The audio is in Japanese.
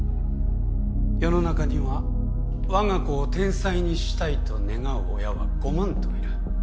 世の中にはわが子を天才にしたいと願う親はごまんといる。